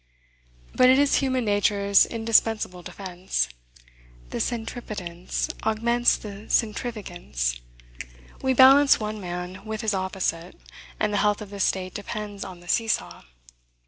But it is human nature's indispensable defense. The centripetence augments the centrifugence. We balance one man with his opposite, and the health of the state depends on the see saw.